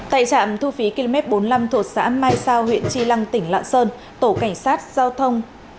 tại trạm thu phí km bốn mươi năm thuộc xã mai sao huyện tri lăng tỉnh lạng sơn tổ cảnh sát giao thông